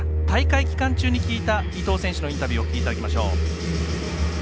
大会期間中に聞いた伊藤選手のインタビューをお聞きいただきましょう。